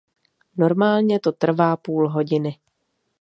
Normálně to trvá půl hodiny.